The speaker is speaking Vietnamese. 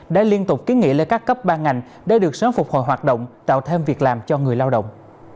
đã liên tục kiến nghị lên các cấp ban ngành để được sớm phục hồi hoạt động tạo thêm việc làm cho người lao động